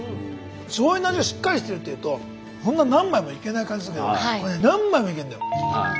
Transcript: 醤油の味がしっかりしてるっていうとそんな何枚もいけない感じするけどこれ何枚もいけんだよ。